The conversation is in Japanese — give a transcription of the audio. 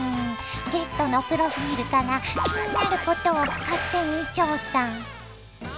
ゲストのプロフィールから気になることを勝手に調査。